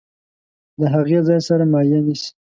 د هغې ځای سړه مایع نیسي.